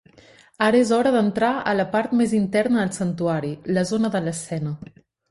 Ara és hora d'entrar a la part més interna del santuari, la zona de l'escena.